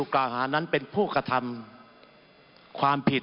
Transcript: กล่าวหาว่า